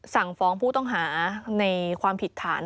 สั่งฟ้องผู้ต้องหาในความผิดฐาน